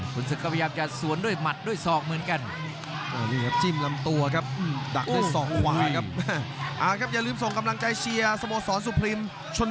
คุณศึกก็พยายามจะสวนด้วยหมัดด้วยศอกเหมือนกัน